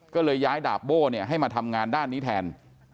ก็เลยย้ายดาบโบ้ให้มาทำงานด้านนี้แทน